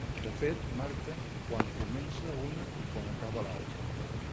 De fet, marquen quan comença una i quan acaba l'altre.